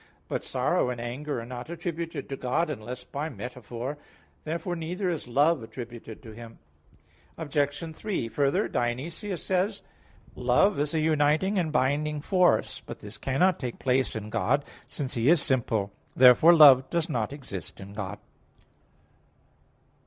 But sorrow and anger are not attributed to God, unless by metaphor. Therefore neither is love attributed to Him. Obj. 3: Further, Dionysius says (Div. Nom. iv): "Love is a uniting and binding force." But this cannot take place in God, since He is simple. Therefore love does not exist in God.